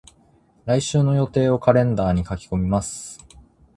来週の予定をカレンダーに書き込みます。